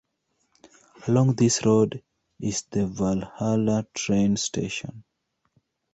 Along this road is the Valhalla train station.